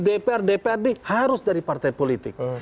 dpr dprd harus dari partai politik